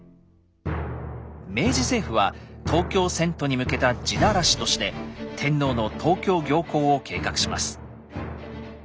明治政府は東京遷都に向けた地ならしとして天皇の東京行幸を計画します。